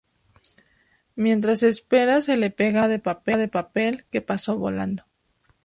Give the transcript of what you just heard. Mientras espera, se le pega una hoja de papel que pasó volando.